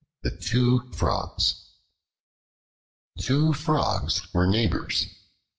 The Two Frogs TWO FROGS were neighbors.